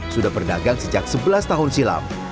sudah berdagang sejak sebelas tahun silam